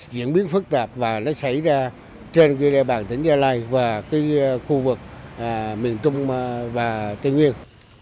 diễn biến phức tạp và nó xảy ra trên cái đeo bảng tỉnh gia lai và cái khu vực miền trung và tây nguyên